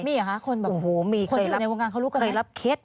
มีเหรอคะคนที่อยู่ในวงงานเขารู้กันไหม